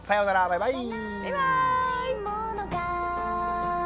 バイバーイ。